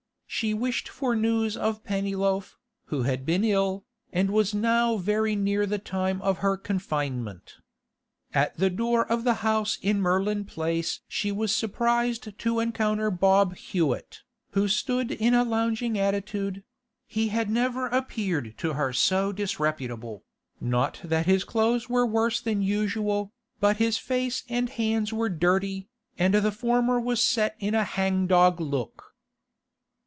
She wished for news of Pennyloaf, who had been ill, and was now very near the time of her confinement. At the door of the house in Merlin Place she was surprised to encounter Bob Hewett, who stood in a lounging attitude; he had never appeared to her so disreputable—not that his clothes were worse than usual, but his face and hands were dirty, and the former was set in a hang dog look.